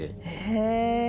へえ。